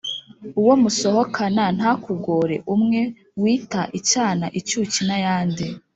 uwo musohakana ntakugore umwe wita icyana icyuki n'ayandi?